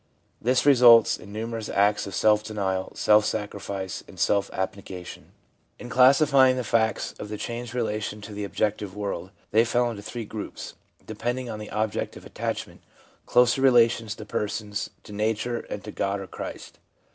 This results in numerous acts of self denial, self sacrifice and self abnegation. In classifying the facts of the changed relation to the objective world, they fell into three groups depending on the object of attachment, closer relations to persons, to nature, and to God or Christ.